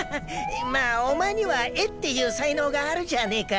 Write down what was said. まあお前には絵っていう才能があるじゃねえか。